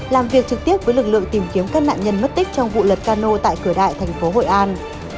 làm việc trực tiếp với lực lượng tìm kiếm các nạn nhân mất tích trong vụ lật cano tại cửa đại thành phố hội an